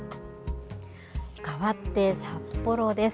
かわって札幌です。